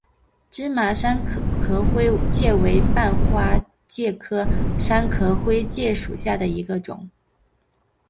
芝麻三壳灰介为半花介科三壳灰介属下的一个种。